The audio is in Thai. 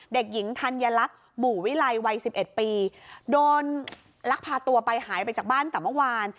เด็กหญิงธัญลักษณ์บู่วิไรวัย๑๑ปีโดนลักษณ์พาตัวไปหายไปจากบ้านต่อเมื่อวาน